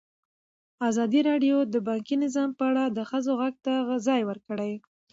ازادي راډیو د بانکي نظام په اړه د ښځو غږ ته ځای ورکړی.